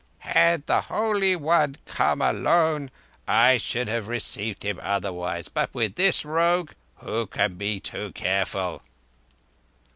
"Had the Holy One come alone, I should have received him otherwise; but with this rogue, who can be too careful?"